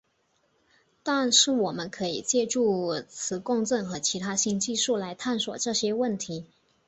但是我们可以借助磁共振和其他新技术来探索这些问题。